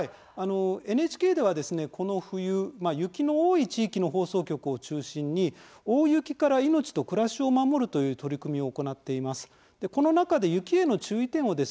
ＮＨＫでは、この冬雪の多い地域の放送局を中心に「大雪から命と暮らしを守る」という取り組みを行っています。